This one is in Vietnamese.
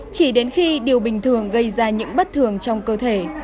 chỉ đến khi điều bình thường gây ra những bất thường trong cơ thể